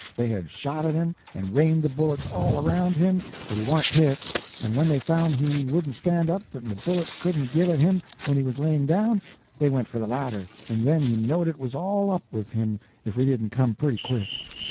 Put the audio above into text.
They had shot at him, and rained the bullets all around him, but he warn't hit, and when they found he wouldn't stand up and the bullets couldn't git at him when he was laying down, they went for the ladder, and then he knowed it was all up with him if we didn't come pretty quick.